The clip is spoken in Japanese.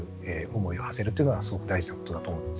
思いをはせるということがすごく大事なことだと思います。